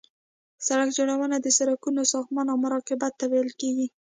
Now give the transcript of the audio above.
سرک جوړونه د سرکونو ساختمان او مراقبت ته ویل کیږي